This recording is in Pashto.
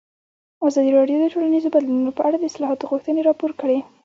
ازادي راډیو د ټولنیز بدلون په اړه د اصلاحاتو غوښتنې راپور کړې.